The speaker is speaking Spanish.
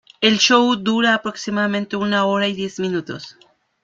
El show dura aproximadamente una hora y diez minutos.